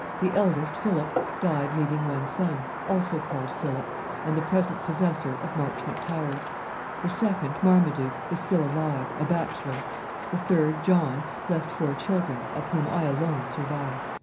The eldest, Philip, died leaving one son, also called Philip, and the present possessor of Marchmont Towers. The second, Marmaduke, is still alive, a bachelor. The third, John, left four children, of whom I alone survive.